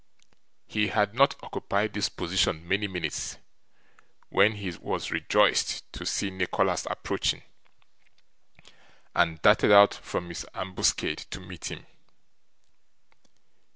He had not occupied this position many minutes, when he was rejoiced to see Nicholas approaching, and darted out from his ambuscade to meet him.